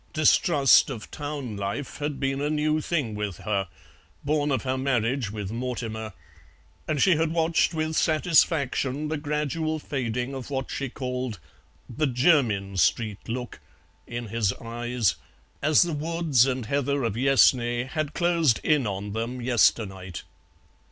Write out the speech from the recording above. Distrust of town life had been a new thing with her, born of her marriage with Mortimer, and she had watched with satisfaction the gradual fading of what she called "the Jermyn street look" in his eyes as the woods and heather of Yessney had closed in on them yesternight.